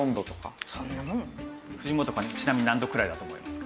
藤本くんはちなみに何度くらいだと思いますか？